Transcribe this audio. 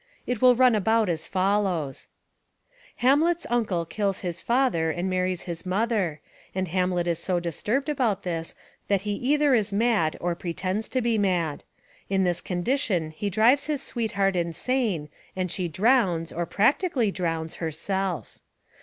It will run about as follows: "Hamlet's uncle kills his father and marries his mother, and Hamlet is so disturbed about this that he either is mad or pretends to be mad. In this condition he drives his sweetheart insane and she drowns, or practically drowns, herself.